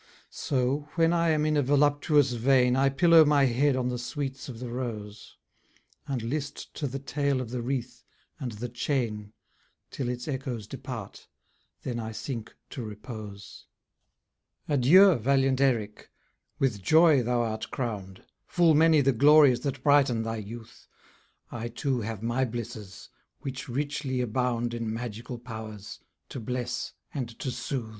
So, when I am in a voluptuous vein, I pillow my head on the sweets of the rose, And list to the tale of the wreath, and the chain, Till its echoes depart; then I sink to repose. Adieu, valiant Eric! with joy thou art crown'd; Full many the glories that brighten thy youth, I too have my blisses, which richly abound In magical powers, to bless and to sooth.